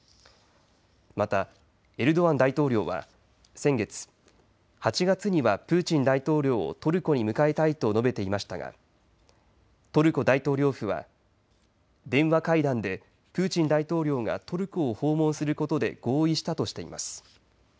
また、エルドアン大統領は先月８月にはプーチン大統領をトルコに迎えたいと述べていましたがトルコ大統領府は電話会談でプーチン大統領がトルコを訪問することで合意したとしています。